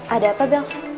ada apa bel